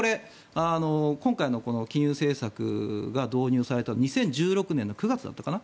今回の金融政策が導入された２０１６年の９月だったかな